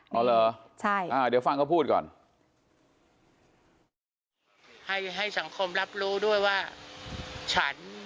อ๋อเหรอเดี๋ยวฟังเขาพูดก่อน